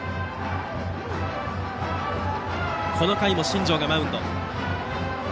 この回も新庄がマウンド。